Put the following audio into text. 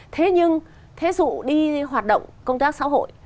thế nhưng thế dụ đi hoạt động công tác xã hội